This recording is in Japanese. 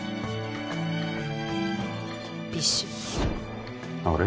ビシッあれ？